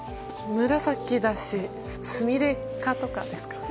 紫だし、スミレ科とかですか。